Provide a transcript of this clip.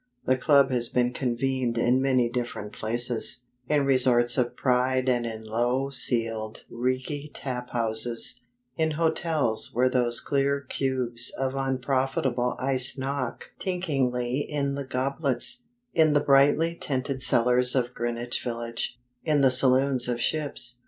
The Club has been convened in many different places: in resorts of pride and in low ceiled reeky taphouses; in hotels where those clear cubes of unprofitable ice knock tinklingly in the goblets; in the brightly tinted cellars of Greenwich Village; in the saloons of ships.